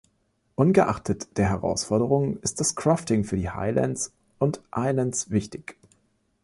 Ungeachtet der Herausforderungen ist das Crofting für die Highlands and Islands wichtig.